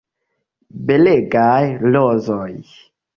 Belegaj rozoj.